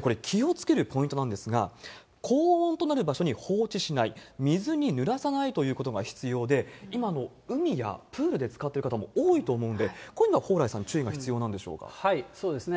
これ、気をつけるポイントなんですが、高温となる場所に放置しない、水にぬらさないということが必要で、今、海やプールで使っている人多いとおもうんで、こういうのは蓬莱さそうですね。